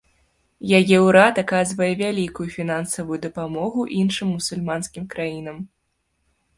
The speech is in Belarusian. Яе ўрад аказвае вялікую фінансавую дапамогу іншым мусульманскім краінам.